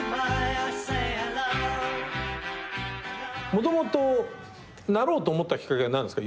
もともとなろうと思ったきっかけは何ですか？